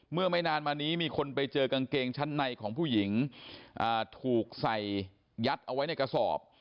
ไม่นานมานี้มีคนไปเจอกางเกงชั้นในของผู้หญิงถูกใส่ยัดเอาไว้ในกระสอบ